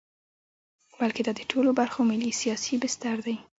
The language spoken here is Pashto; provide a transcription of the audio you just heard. بلکې دا د ټولو برخو ملي سیاسي بستر دی.